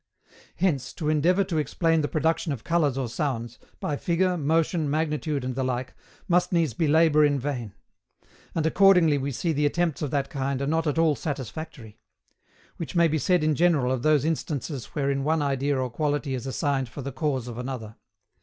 Hence, to endeavour to explain the production of colours or sounds, by figure, motion, magnitude, and the like, must needs be labour in vain. And accordingly we see the attempts of that kind are not at all satisfactory. Which may be said in general of those instances wherein one idea or quality is assigned for the cause of another.